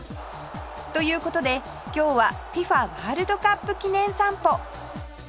という事で今日は ＦＩＦＡ ワールドカップ記念散歩